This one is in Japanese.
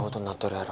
やろ